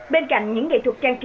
bên cạnh những nghệ thuật trang nhã